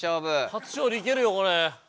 初勝利いけるよこれ。